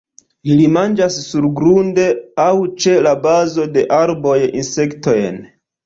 Ili manĝas surgrunde aŭ ĉe la bazo de arboj insektojn.